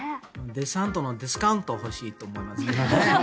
デサントのディスカウントが欲しいと思いますね。